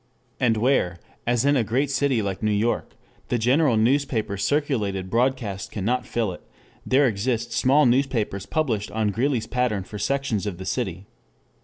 And where, as in a great city like New York, the general newspapers circulated broadcast cannot fill it, there exist small newspapers published on Greeley's pattern for sections of the city.